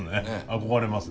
憧れますね。